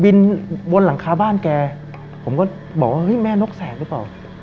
บนหลังคาบ้านแกผมก็บอกว่าเฮ้ยแม่นกแสกหรือเปล่า